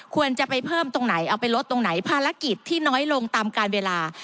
ควรจะไปเพิ่มตรงไหนเอาไปลดตรงไหนภารกิจที่น้อยลงตามการเวลา